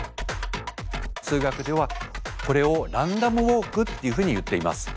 数学ではこれをランダムウォークっていうふうにいっています。